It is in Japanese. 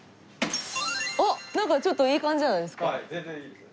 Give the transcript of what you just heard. なんかちょっといい感じじゃないですか？